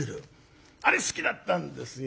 あれ好きだったんですよ。